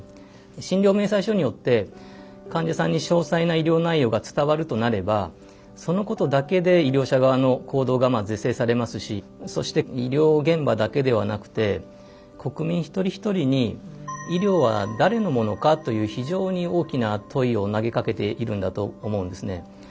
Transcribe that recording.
診療明細書によって患者さんに詳細な医療内容が伝わるとなればそのことだけで医療者側の行動がまあ是正されますしそして医療現場だけではなくて国民一人一人に「医療は誰のものか？」という非常に大きな問いを投げかけているんだと思うんですね。